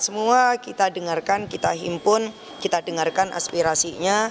semua kita dengarkan kita himpun kita dengarkan aspirasinya